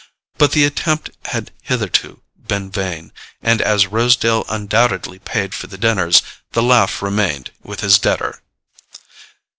But the attempt had hitherto been vain, and as Rosedale undoubtedly paid for the dinners, the laugh remained with his debtor.